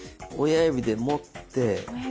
親指で持って。